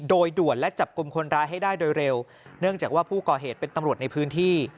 โดยด่วนและจับกลุ่มคนร้ายให้ได้โดยเร็วเนื่องจากว่าผู้ก่อเหตุเป็นตำรวจในพื้นที่